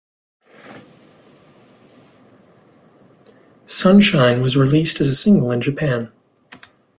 "Sunshine" was released as a single in Japan.